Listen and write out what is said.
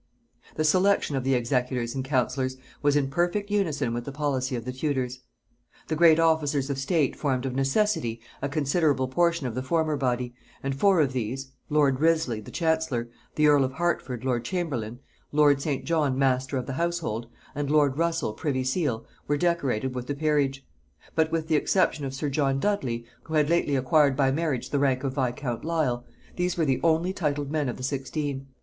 The selection of the executors and counsellors was in perfect unison with the policy of the Tudors. The great officers of state formed of necessity a considerable portion of the former body, and four of these, lord Wriothesley the chancellor, the earl of Hertford lord chamberlain, lord St. John master of the household, and lord Russel privy seal, were decorated with the peerage; but with the exception of sir John Dudley, who had lately acquired by marriage the rank of viscount Lisle, these were the only titled men of the sixteen.